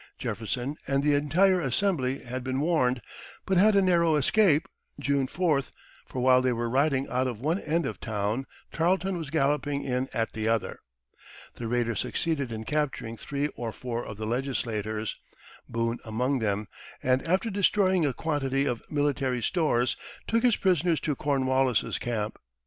Jefferson and the entire Assembly had been warned, but had a narrow escape (June 4th), for while they were riding out of one end of town Tarleton was galloping in at the other. The raider succeeded in capturing three or four of the legislators, Boone among them, and after destroying a quantity of military stores took his prisoners to Cornwallis's camp.